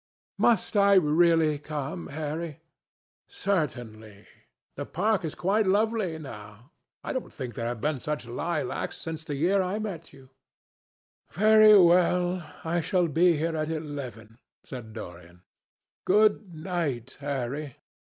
"Must I really come, Harry?" "Certainly. The park is quite lovely now. I don't think there have been such lilacs since the year I met you." "Very well. I shall be here at eleven," said Dorian. "Good night, Harry."